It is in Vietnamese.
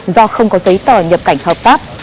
do không có giấy tờ nhập cảnh hợp pháp